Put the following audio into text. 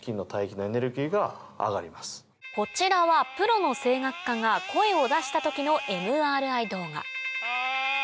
こちらはプロの声楽家が声を出した時のＭＲＩ動画アアア。